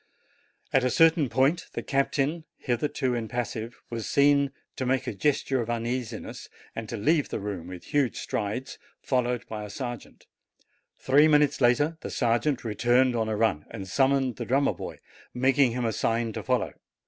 At a certain point the captain, hitherto impassive, was seen to make a gesture of uneasiness, and to leave the room with huge strides, followed by a sergeant. Three minutes later the sergeant returned on a run, and summoned the drummer boy, making him a sign to follow.